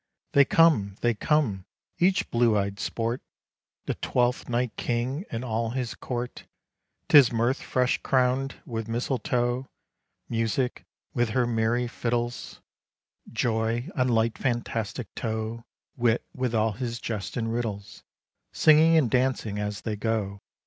They come! they come! each blue eyed Sport, The Twelfth Night King and all his court 'Tis Mirth fresh crown'd with misletoe! Music with her merry fiddles, Joy "on light fantastic toe," Wit with all his jests and riddles, Singing and dancing as they go.